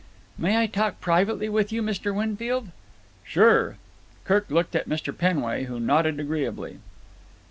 "May I talk privately with you, Mr. Winfield?" "Sure." Kirk looked at Mr. Penway, who nodded agreeably.